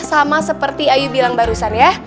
sama seperti ayu bilang barusan ya